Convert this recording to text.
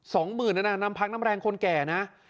สองหมื่นนั้นน่ะน้ำพักน้ำแรงคนแก่นะ